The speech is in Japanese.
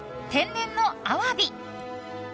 天然のアワビ。